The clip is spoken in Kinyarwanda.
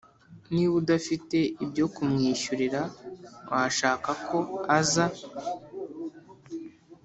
Niba udafite ibyo kumwishyurira Washaka ko aza